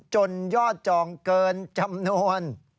ยอดจองเกินจำนวน